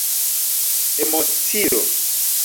emocio